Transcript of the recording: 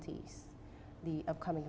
kepentingan ekonomi global